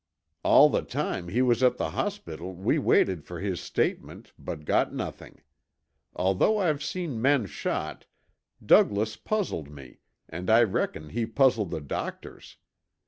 All the time he was at the hospital we waited for his statement, but got nothing. Although I've seen men shot, Douglas puzzled me and I reckon he puzzled the doctors.